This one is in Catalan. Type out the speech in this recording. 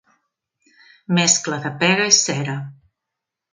Mescla de pega i cera.